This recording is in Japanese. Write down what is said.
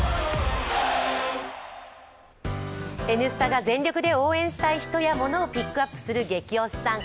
「Ｎスタ」が全力で応援したい人やモノをピックアップするゲキ推しさん